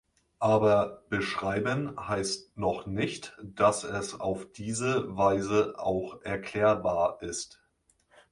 Aber beschreiben heißt noch nicht, dass es auf diese Weise auch erklärbar ist.